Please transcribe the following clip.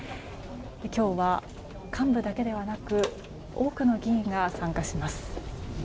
今日は、幹部だけではなく多くの議員が参加します。